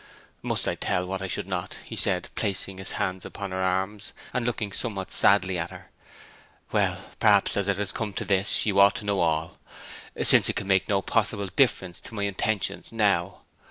'Must I tell what I would not?' he said, placing his hands upon her arms, and looking somewhat sadly at her. 'Well, perhaps as it has come to this you ought to know all, since it can make no possible difference to my intentions now.